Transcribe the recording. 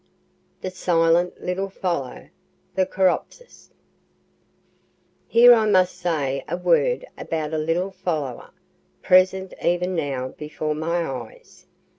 A SILENT LITTLE FOLLOWER THE COREOPSIS Here I must say a word about a little follower, present even now before my eyes.